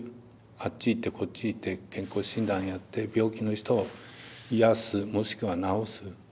あっち行ってこっち行って健康診断やって病気の人を癒やすもしくは治す。